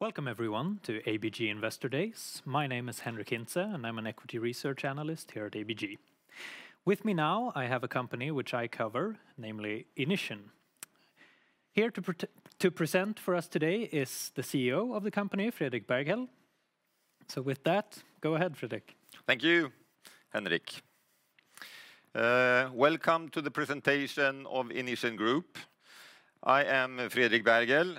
Welcome everyone to ABG Investor Days. My name is Henric Hintze, and I'm an equity research analyst here at ABG. With me now, I have a company which I cover, namely Inission. Here to present for us today is the CEO of the company, Fredrik Berghel. With that, go ahead, Fredrik. Thank you, Henric. Welcome to the presentation of Inission Group. I am Fredrik Berghel.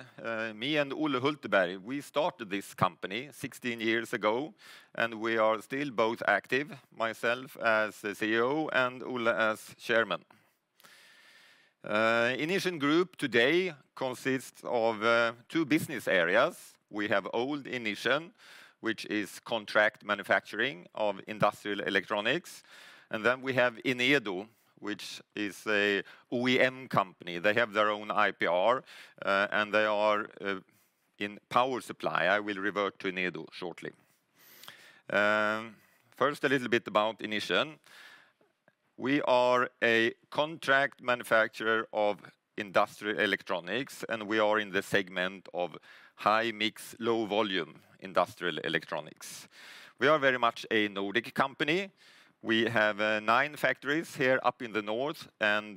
Me and Olle Hulteberg, we started this company 16 years ago, and we are still both active, myself as the CEO, and Olle as chairman. Inission Group today consists of two business areas. We have old Inission, which is contract manufacturing of industrial electronics, and then we have Enedo, which is a OEM company. They have their own IPR, and they are in power supply. I will revert to Enedo shortly. First, a little bit about Inission. We are a contract manufacturer of industrial electronics, and we are in the segment of high-mix, low-volume industrial electronics. We are very much a Nordic company. We have nine factories here up in the north, and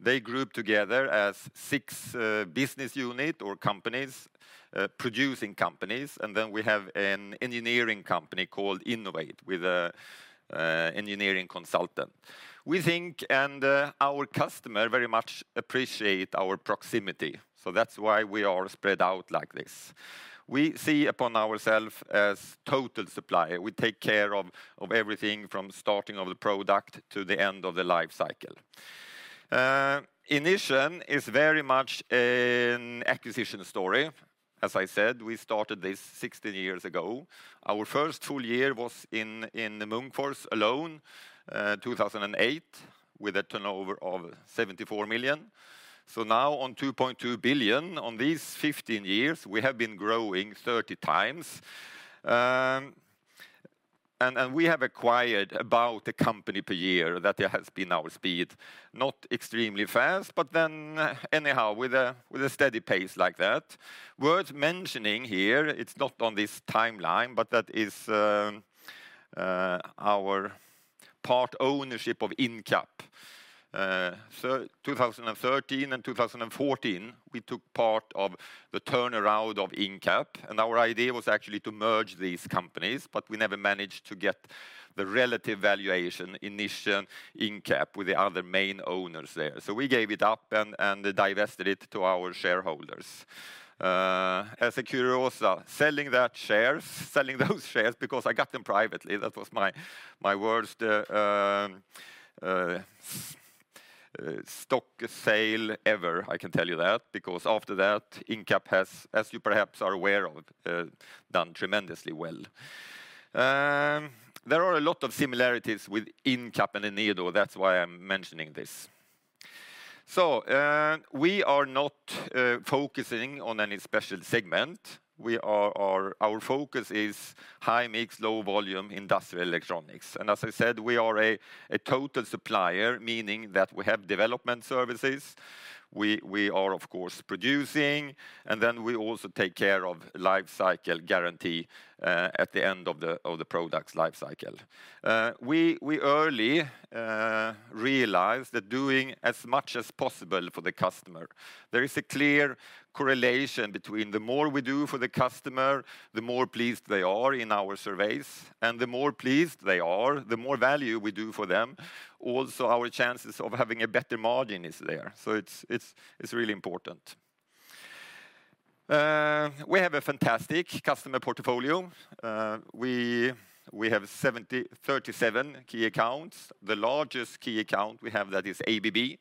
they group together as six business unit or companies, producing companies, and then we have an engineering company called Innovate with a engineering consultant. We think, and our customer very much appreciate our proximity, so that's why we are spread out like this. We see upon ourself as total supplier. We take care of, of everything from starting of the product to the end of the life cycle. Inission is very much an acquisition story. As I said, we started this 16 years ago. Our first full year was in, in Munkfors alone, 2008, with a turnover of 74 million. So now on 2.2 billion, on these 15 years, we have been growing 30 times. And we have acquired about a company per year, that has been our speed. Not extremely fast, but then, anyhow, with a steady pace like that. Worth mentioning here, it's not on this timeline, but that is, our part ownership of Incap. So 2013 and 2014, we took part of the turnaround of Incap, and our idea was actually to merge these companies, but we never managed to get the relative valuation Inission, Incap, with the other main owners there. So we gave it up and divested it to our shareholders. As a curiosity, selling those shares because I got them privately, that was my worst stock sale ever, I can tell you that, because after that, Incap has, as you perhaps are aware of, done tremendously well. There are a lot of similarities with Incap and Enedo, that's why I'm mentioning this. So, we are not focusing on any special segment. We are... Our focus is high-mix, low-volume industrial electronics. And as I said, we are a total supplier, meaning that we have development services. We are, of course, producing, and then we also take care of life cycle guarantee at the end of the product's life cycle. We early realized that doing as much as possible for the customer, there is a clear correlation between the more we do for the customer, the more pleased they are in our surveys, and the more pleased they are, the more value we do for them. Also, our chances of having a better margin is there, so it's really important. We have a fantastic customer portfolio. We have 73 key accounts. The largest key account we have, that is ABB,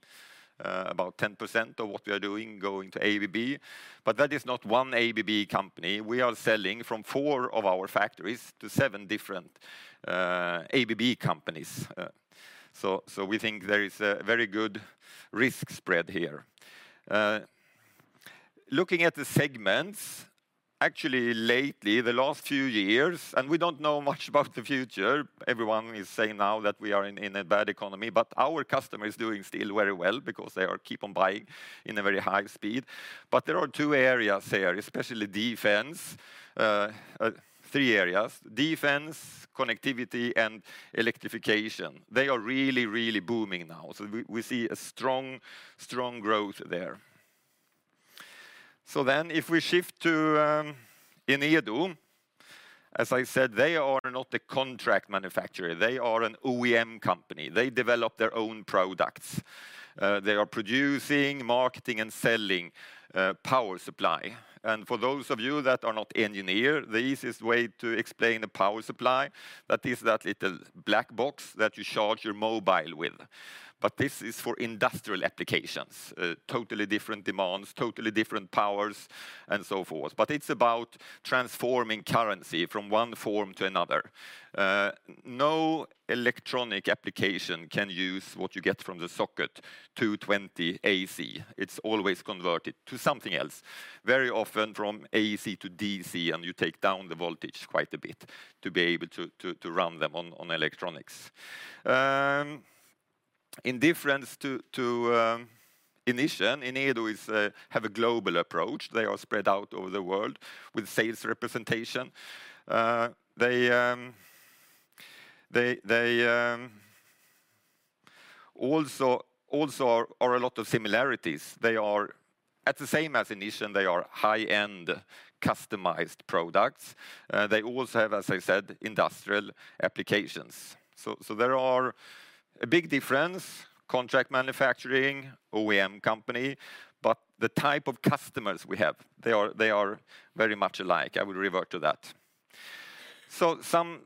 about 10% of what we are doing going to ABB. But that is not one ABB company. We are selling from four of our factories to seven different ABB companies. So we think there is a very good risk spread here. Looking at the segments, actually lately, the last few years, and we don't know much about the future, everyone is saying now that we are in, in a bad economy, but our customer is doing still very well because they are keep on buying in a very high speed. But there are two areas here, especially defense, three areas: defense, connectivity, and electrification. They are really, really booming now. So we, we see a strong, strong growth there. So then, if we shift to, Enedo, as I said, they are not a contract manufacturer, they are an OEM company. They develop their own products. They are producing, marketing, and selling, power supply. And for those of you that are not engineer, the easiest way to explain a power supply, that is that little black box that you charge your mobile with. But this is for industrial applications, totally different demands, totally different powers, and so forth. But it's about transforming current from one form to another. No electronic application can use what you get from the socket, 220 AC. It's always converted to something else, very often from AC to DC, and you take down the voltage quite a bit to be able to run them on electronics. In difference to Inission, Enedo has a global approach. They are spread out over the world with sales representation. They also are a lot of similarities. They are the same as Inission, they are high-end customized products. They also have, as I said, industrial applications. So there are a big difference, contract manufacturing, OEM company, but the type of customers we have, they are very much alike. I will revert to that. So some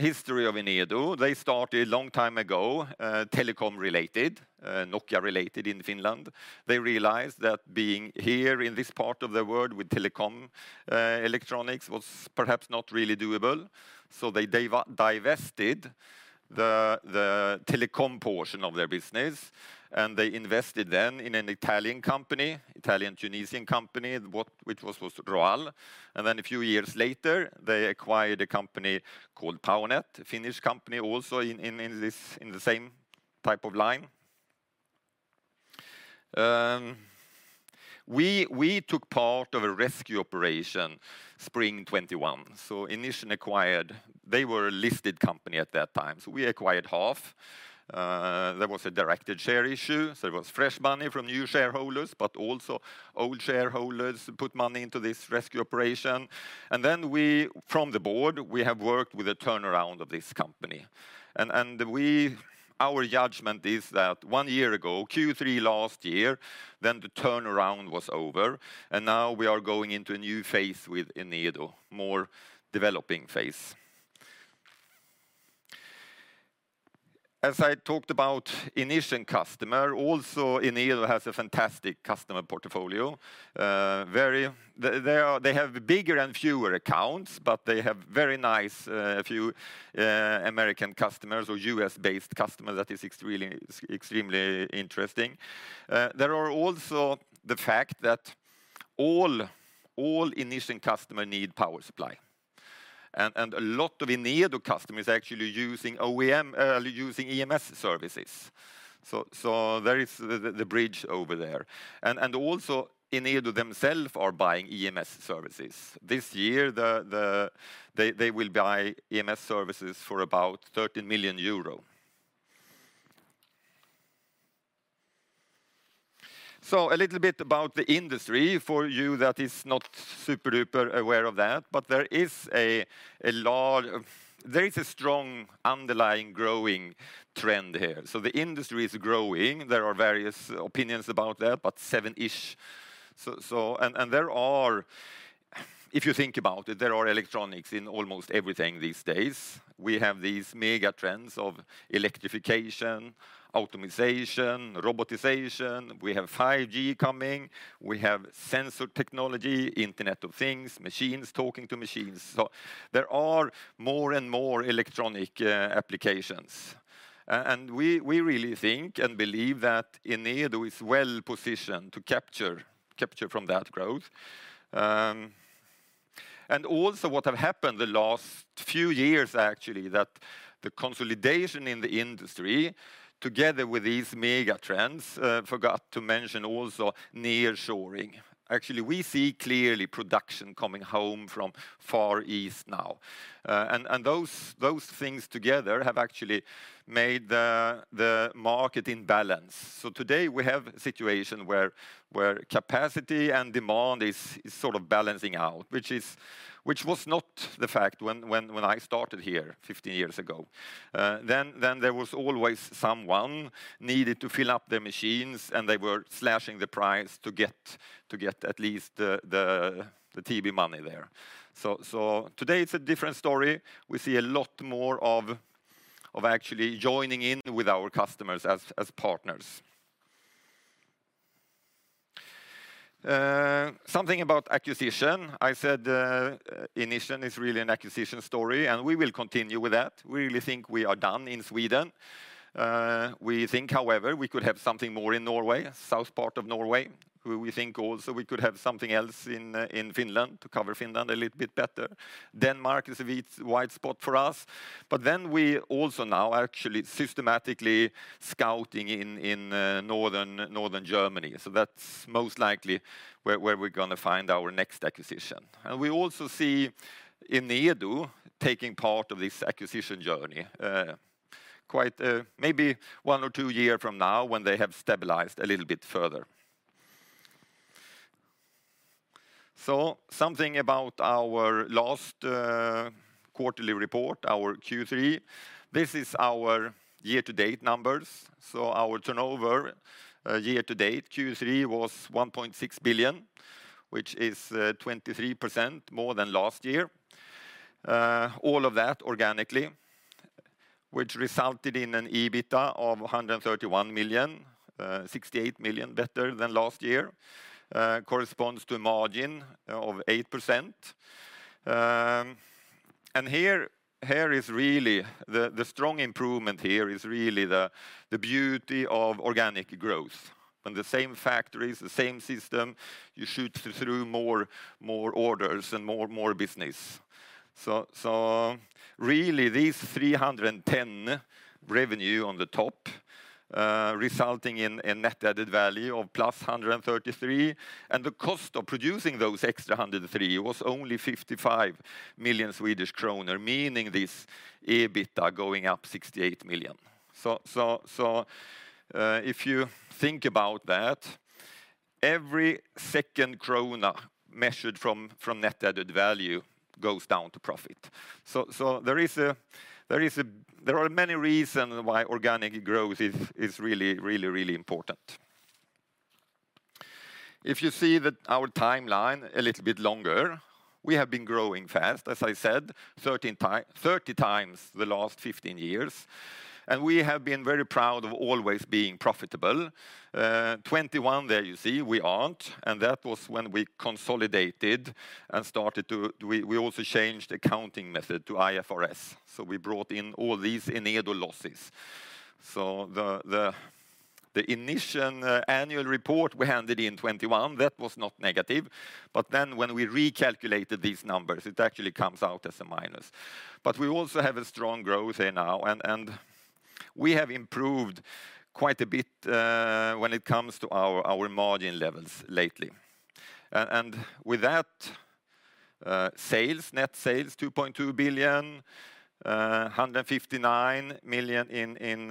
history of Enedo. They started a long time ago, telecom-related, Nokia-related in Finland. They realized that being here in this part of the world with telecom electronics was perhaps not really doable, so they divested the telecom portion of their business, and they invested then in an Italian company, Italian Tunisian company, which was ROAL. And then a few years later, they acquired a company called Powernet, a Finnish company also in the same type of line. We took part of a rescue operation, spring 2021. So Inission acquired... They were a listed company at that time, so we acquired half. There was a directed share issue, so it was fresh money from new shareholders, but also old shareholders put money into this rescue operation. Then we, from the board, we have worked with a turnaround of this company. Our judgment is that one year ago, Q3 last year, then the turnaround was over, and now we are going into a new phase with Enedo, more developing phase. As I talked about Inission customer, also Enedo has a fantastic customer portfolio. Very, they are, they have bigger and fewer accounts, but they have very nice, few, American customers or U.S.-based customers. That is really, extremely interesting. There are also the fact that all, all Inission customer need power supply, and, and a lot of Enedo customers are actually using OEM, using EMS services. So there is the bridge over there. And also Enedo themselves are buying EMS services. This year, they will buy EMS services for about 13 million euro. So a little bit about the industry for you that is not super-duper aware of that, but there is a strong underlying growing trend here. So the industry is growing. There are various opinions about that, but 7-ish. So if you think about it, there are electronics in almost everything these days. We have these mega trends of electrification, optimization, robotization, we have 5G coming, we have sensor technology, Internet of Things, machines talking to machines. So there are more and more electronic applications. And we really think and believe that Enedo is well positioned to capture from that growth. And also what have happened the last few years, actually, that the consolidation in the industry, together with these mega trends, forgot to mention also nearshoring. Actually, we see clearly production coming home from Far East now. And those things together have actually made the market in balance. So today, we have a situation where capacity and demand is sort of balancing out, which is, which was not the fact when I started here 15 years ago. Then there was always someone needed to fill up their machines, and they were slashing the price to get at least the TV money there. So today it's a different story. We see a lot more of actually joining in with our customers as partners. Something about acquisition. I said, Inission is really an acquisition story, and we will continue with that. We really think we are done in Sweden. We think, however, we could have something more in Norway, south part of Norway. We think also we could have something else in Finland to cover Finland a little bit better. Denmark is a wide spot for us, but then we also now are actually systematically scouting in northern Germany. So that's most likely where we're going to find our next acquisition. And we also see Enedo taking part of this acquisition journey, quite, maybe one or two year from now when they have stabilized a little bit further. So something about our last quarterly report, our Q3. This is our year-to-date numbers. So our turnover year to date, Q3, was 1.6 billion, which is 23% more than last year. All of that organically, which resulted in an EBITDA of 131 million, 68 million better than last year, corresponds to a margin of 8%. And here is really the strong improvement; here is really the beauty of organic growth. On the same factories, the same system, you shoot through more orders and more business. So really, these 310 revenue on the top, resulting in net added value of +133, and the cost of producing those extra 103 was only 55 million Swedish kronor, meaning this EBITDA going up 68 million. So, if you think about that, every second krona measured from net added value goes down to profit. So there are many reasons why organic growth is really, really, really important. If you see that our timeline a little bit longer, we have been growing fast, as I said, 30 times the last 15 years, and we have been very proud of always being profitable. 2021, there you see, we aren't, and that was when we consolidated and started to... We also changed the accounting method to IFRS, so we brought in all these Enedo losses. So the Inission annual report we handed in 2021, that was not negative, but then when we recalculated these numbers, it actually comes out as a minus. But we also have a strong growth here now, and we have improved quite a bit when it comes to our margin levels lately. And with that, net sales 2.2 billion, EBITDA SEK 259 million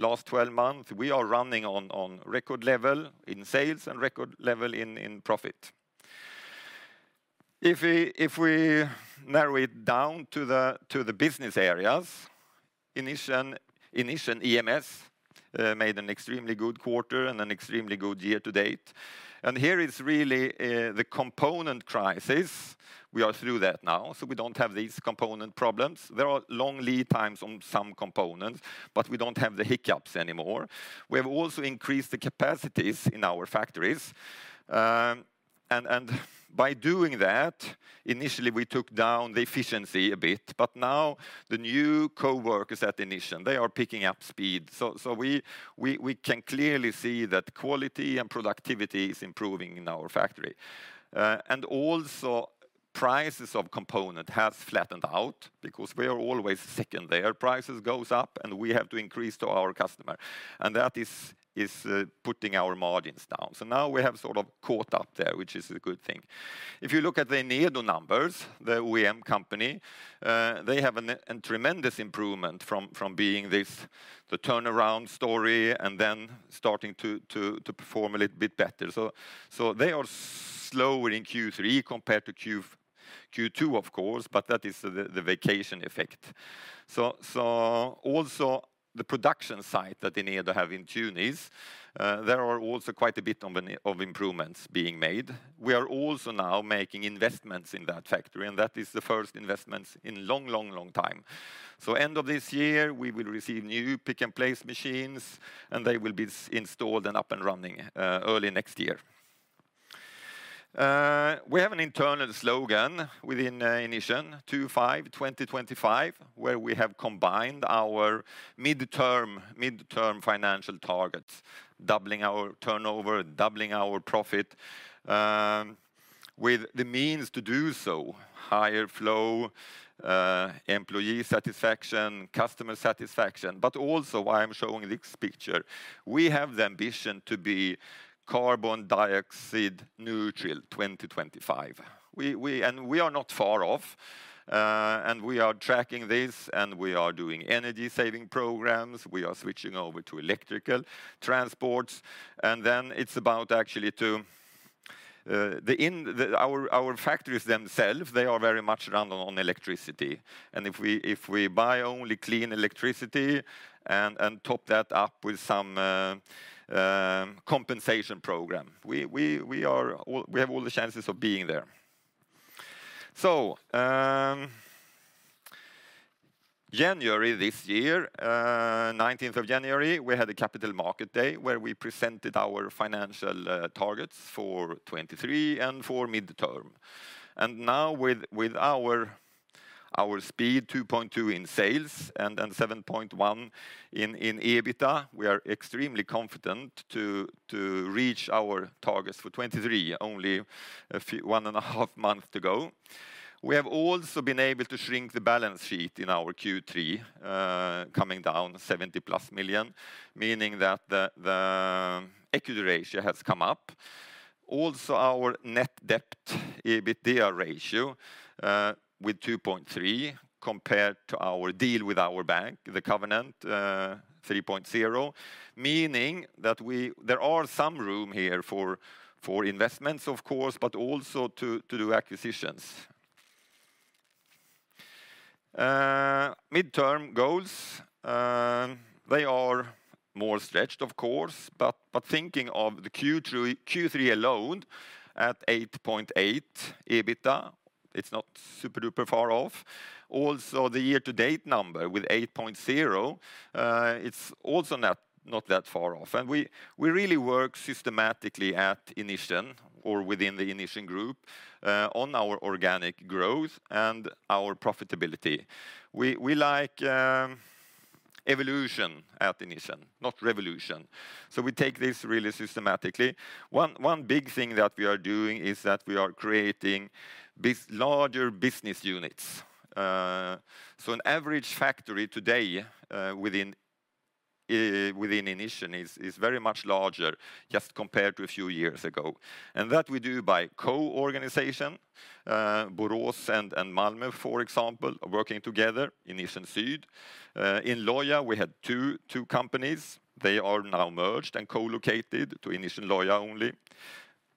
last 12 months. We are running on record level in sales and record level in profit. If we narrow it down to the business areas, Inission EMS made an extremely good quarter and an extremely good year to date. And here is really the component crisis. We are through that now, so we don't have these component problems. There are long lead times on some components, but we don't have the hiccups anymore. We have also increased the capacities in our factories, and by doing that, initially, we took down the efficiency a bit, but now the new coworkers at Inission, they are picking up speed. So we can clearly see that quality and productivity is improving in our factory. And also, prices of component has flattened out because we are always second there. Prices goes up, and we have to increase to our customer, and that is putting our margins down. So now we have sort of caught up there, which is a good thing. If you look at the Enedo numbers, the OEM company, they have a tremendous improvement from being this, the turnaround story and then starting to perform a little bit better. So, they are slower in Q3 compared to Q2, of course, but that is the vacation effect. So, also the production site that Enedo have in Tunis, there are also quite a bit of improvements being made. We are also now making investments in that factory, and that is the first investments in a long, long, long time. So end of this year, we will receive new pick-and-place machines, and they will be installed and up and running early next year. We have an internal slogan within Inission, 25 2025, where we have combined our midterm financial targets, doubling our turnover, doubling our profit, with the means to do so, higher flow, employee satisfaction, customer satisfaction. But also, why I'm showing this picture, we have the ambition to be carbon dioxide neutral 2025. We are not far off, and we are tracking this, and we are doing energy-saving programs. We are switching over to electrical transports, and then it's about actually to Our factories themselves, they are very much run on electricity, and if we buy only clean electricity and top that up with some compensation program, we have all the chances of being there. January this year, nineteenth of January, we had a capital market day, where we presented our financial targets for 2023 and for midterm. Now with our speed, 2.2x in sales and 7.1x in EBITDA, we are extremely confident to reach our targets for 2023, only one and a half months to go. We have also been able to shrink the balance sheet in our Q3, coming down 70+ million, meaning that the equity ratio has come up. Also, our net debt EBITDA ratio with 2.3x, compared to our deal with our bank, the covenant 3.0x, meaning that there are some room here for investments, of course, but also to do acquisitions. Midterm goals, they are more stretched, of course, but thinking of the Q3, Q3 alone at 8.8x EBITDA, it's not super-duper far off. Also, the year-to-date number with 8.0x, it's also not that far off, and we really work systematically at Inission or within the Inission Group on our organic growth and our profitability. We like evolution at Inission, not revolution. So we take this really systematically. One big thing that we are doing is that we are creating these larger business units. So an average factory today within Inission is very much larger just compared to a few years ago, and that we do by co-organization. Borås and Malmö, for example, are working together, Inission Syd. In Lohja, we had two companies. They are now merged and co-located to Inission Lohja only.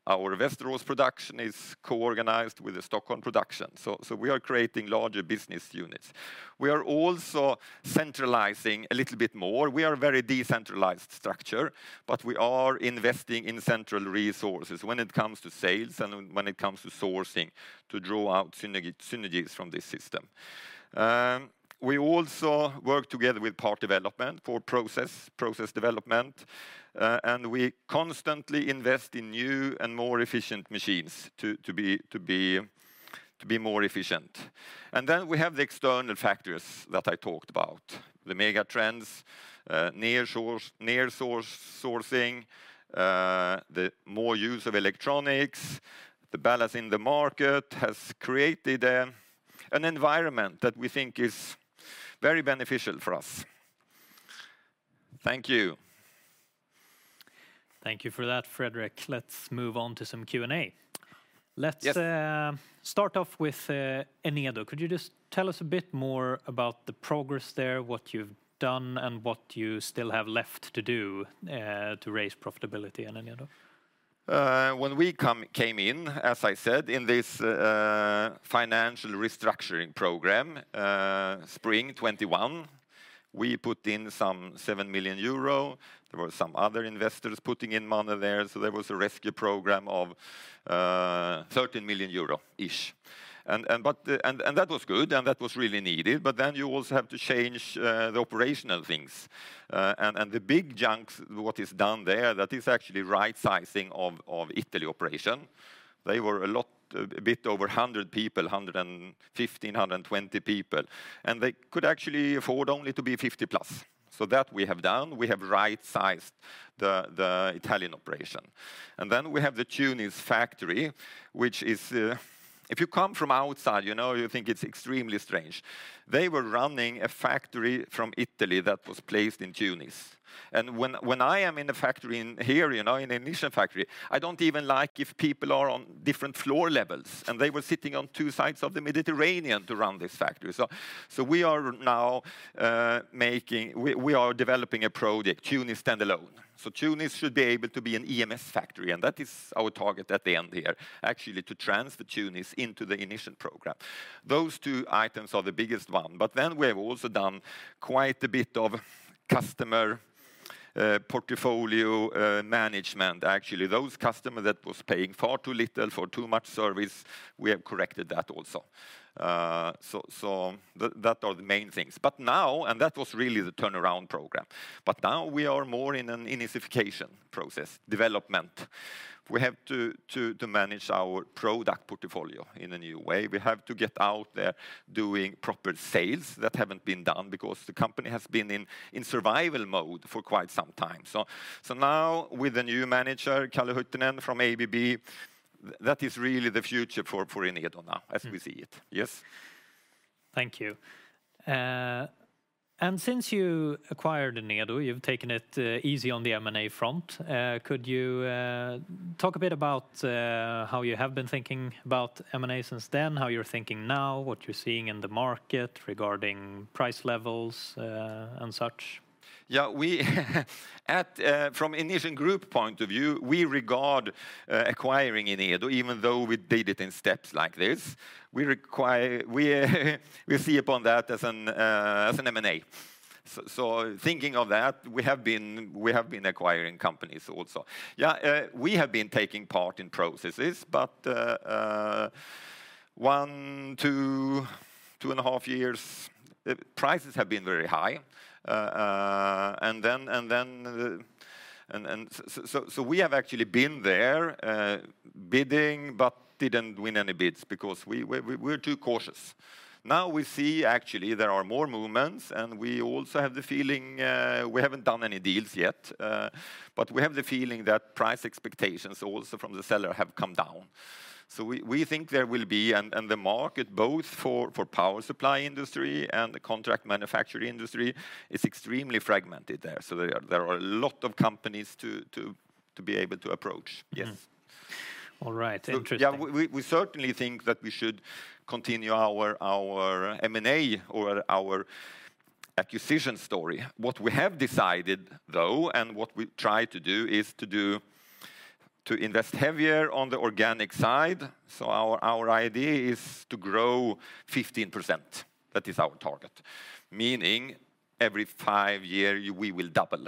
Our Västerås production is co-organized with the Stockholm production, so we are creating larger business units. We are also centralizing a little bit more. We are a very decentralized structure, but we are investing in central resources when it comes to sales and when it comes to sourcing, to draw out synergies from this system. We also work together with part development for process development, and we constantly invest in new and more efficient machines to be more efficient. And then we have the external factors that I talked about, the mega trends, nearshoring, nearshore sourcing, the more use of electronics, the balance in the market has created an environment that we think is very beneficial for us. Thank you. Thank you for that, Fredrik. Let's move on to some Q&A. Yes. Let's start off with Enedo. Could you just tell us a bit more about the progress there, what you've done, and what you still have left to do to raise profitability in Enedo? When we came in, as I said, in this financial restructuring program, spring 2021, we put in some 7 million euro. There were some other investors putting in money there, so there was a rescue program of 13 million-ish. But that was good, and that was really needed, but then you also have to change the operational things. The big chunks, what is done there, that is actually right-sizing of the Italian operation. They were a bit over 100 people, 115, 120 people, and they could actually afford only to be 50 plus. So that we have done, we have right-sized the Italian operation. Then we have the Tunis factory, which is... If you come from outside, you know, you think it's extremely strange. They were running a factory from Italy that was placed in Tunis. When I am in the factory here, you know, in Inission factory, I don't even like if people are on different floor levels, and they were sitting on two sides of the Mediterranean to run this factory. So we are now making. We are developing a project, Tunis standalone. So Tunis should be able to be an EMS factory, and that is our target at the end here, actually, to transfer Tunis into the Inission program. Those two items are the biggest one, but then we have also done quite a bit of customer portfolio management. Actually, those customers that was paying far too little for too much service, we have corrected that also. So that are the main things. But now... That was really the turnaround program. But now we are more in an Inissification process, development. We have to manage our product portfolio in a new way. We have to get out there doing proper sales that haven't been done because the company has been in survival mode for quite some time. So now, with the new manager, Kalle Huittinen, from ABB, that is really the future for Enedo now, as we see it. Yes. Thank you. Since you acquired Enedo, you've taken it easy on the M&A front. Could you talk a bit about how you have been thinking about M&A since then, how you're thinking now, what you're seeing in the market regarding price levels, and such? Yeah, we at from Inission Group point of view, we regard acquiring Enedo, even though we did it in steps like this, we see upon that as an M&A. So thinking of that, we have been acquiring companies also. Yeah, we have been taking part in processes, but one, two, 2.5 years prices have been very high. And then we have actually been there bidding, but didn't win any bids because we were too cautious. Now, we see actually there are more movements, and we also have the feeling. We haven't done any deals yet, but we have the feeling that price expectations also from the seller have come down. So we think there will be, and the market, both for power supply industry and the contract manufacturing industry, is extremely fragmented there. So there are a lot of companies to be able to approach. Yes. Mm-hmm. All right. Interesting. So yeah, we certainly think that we should continue our M&A or our acquisition story. What we have decided, though, and what we try to do, is to invest heavier on the organic side. So our idea is to grow 15%. That is our target, meaning every five years, we will double.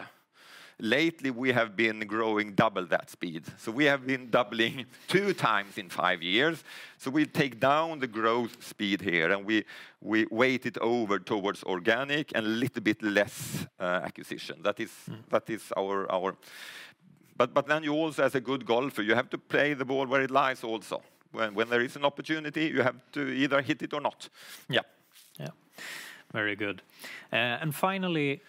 Lately, we have been growing double that speed, so we have been doubling two times in five years. So we take down the growth speed here, and we weigh it over towards organic and a little bit less acquisition. That is- Mm... that is our, but then you also, as a good golfer, you have to play the ball where it lies also. When there is an opportunity, you have to either hit it or not. Yeah. Yeah. Very good. And finally,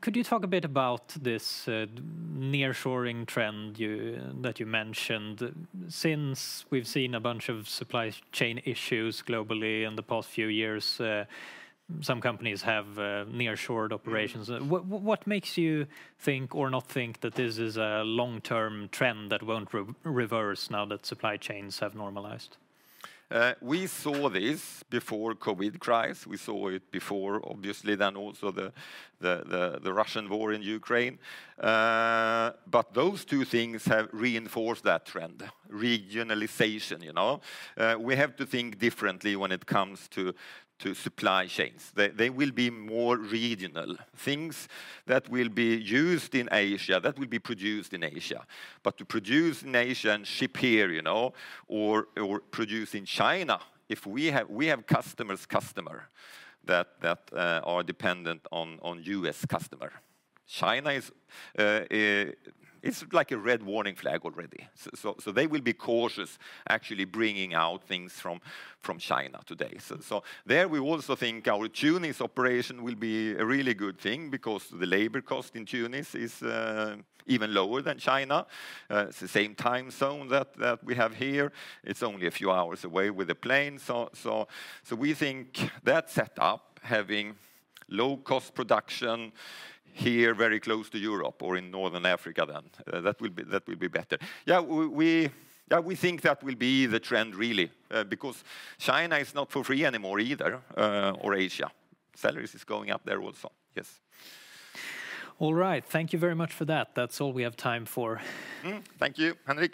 could you talk a bit about this nearshoring trend you that you mentioned? Since we've seen a bunch of supply chain issues globally in the past few years, some companies have nearshored operations. What makes you think or not think that this is a long-term trend that won't reverse now that supply chains have normalized? We saw this before COVID crisis. We saw it before, obviously, then also the Russian war in Ukraine. But those two things have reinforced that trend, regionalization, you know? We have to think differently when it comes to supply chains. They will be more regional. Things that will be used in Asia, that will be produced in Asia. But to produce in Asia and ship here, you know, or produce in China, if we have customer's customer that are dependent on U.S. customer, China is a red warning flag already. So they will be cautious actually bringing out things from China today. So there, we also think our Tunis operation will be a really good thing because the labor cost in Tunis is even lower than China. It's the same time zone that we have here. It's only a few hours away with a plane. So we think that setup, having low-cost production here very close to Europe or in Northern Africa, then that will be better. Yeah, we think that will be the trend, really, because China is not for free anymore either, or Asia. Salaries is going up there also. Yes. All right. Thank you very much for that. That's all we have time for. Mm. Thank you, Henric.